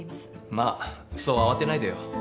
まあそう慌てないでよ。